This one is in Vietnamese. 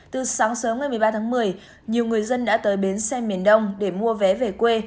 từ sáng sớm ngày một mươi ba tháng một mươi nhiều người dân đã tới bến xe miền đông để mua vé về quê